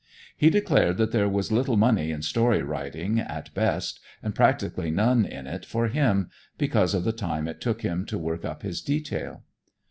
He declared that there was little money in story writing at best, and practically none in it for him, because of the time it took him to work up his detail.